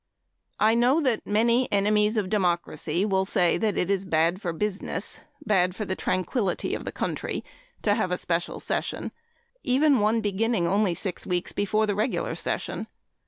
I know that many enemies of democracy will say that it is bad for business, bad for the tranquility of the country, to have a special session even one beginning only six weeks before the regular session.